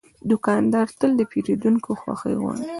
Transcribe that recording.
دوکاندار تل د پیرودونکو خوښي غواړي.